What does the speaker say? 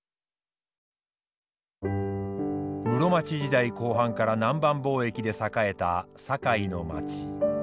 室町時代後半から南蛮貿易で栄えた堺の町。